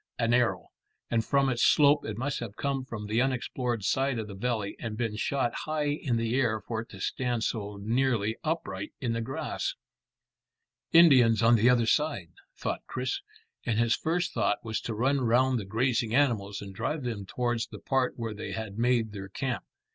An arrow, and from its slope it must have come from the unexplored side of the valley, and been shot high in the air for it to stand so nearly upright in the grass. "Indians on the other side," thought Chris, and his first thought was to run round the grazing animals and drive them towards the part where they had made their camp.